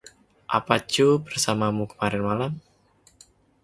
Apa Joe bersamamu kemarin malam?